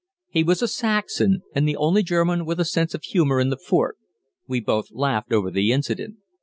He was a Saxon, and the only German with a sense of humor in the fort. We both laughed over the incident.